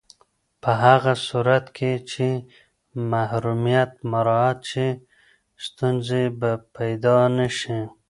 په هغه صورت کې چې محرمیت مراعت شي، ستونزې به پیدا نه شي.